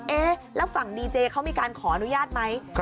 เอ๊ะแล้วฝั่งดีเจเขามีการขออนุญาตไหม